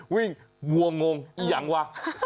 วิ่งวัวงงอีกอย่างวะ